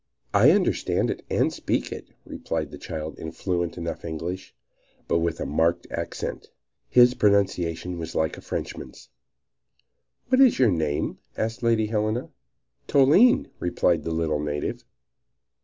"I understand it and speak it," replied the child in fluent enough English, but with a marked accent. His pronunciation was like a Frenchman's. "What is your name?" asked Lady Helena. "Toline," replied the little native.